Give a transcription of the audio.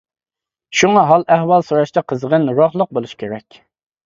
شۇڭا ھال ئەھۋال سوراشتا قىزغىن، روھلۇق بولۇش كېرەك.